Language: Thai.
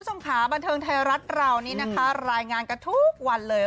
คุณผู้ชมค่ะบันเทิงไทยรัฐเรานี่นะคะรายงานกันทุกวันเลย